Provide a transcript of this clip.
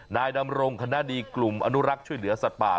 นายดำรงคณะดีกลุ่มอนุรักษ์ช่วยเหลือสัตว์ป่า